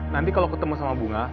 nanti kalau ketemu sama bunga